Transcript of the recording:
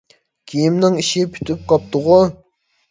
كىيىمنىڭ ئىشى پۈتۈپ قاپتۇغۇ!